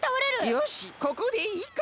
よしここでいいか。